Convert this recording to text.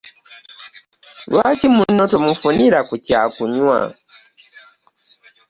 Lwaki muno tomufunira ku kyakunywa?